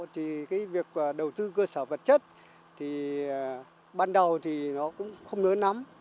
thì cái việc đầu tư cơ sở vật chất thì ban đầu thì nó cũng không lớn lắm